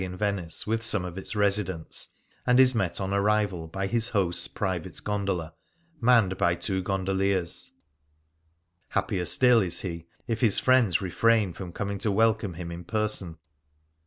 First Impressions Venice with some of its residents, and is met on arrival by his host's private gondola, manned by two gondoliers. Happier still is he if his friends refrain from coming to welcome him in person.